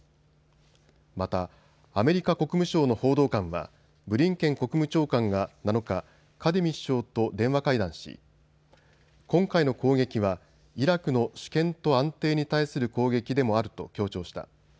またアメリカ国務省の報道官はブリンケン国務長官が７日、カディミ首相と電話会談し、今回の攻撃はイラクの主権と安定に対する攻撃でもあると強調した。